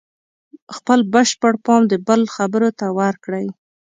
خپل بشپړ پام د بل خبرو ته ورکړئ.